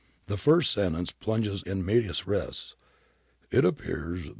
The first sentence plunges in medi'as res :* It appears that